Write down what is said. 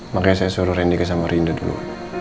makanya saya suruh rindika sama rinda dulu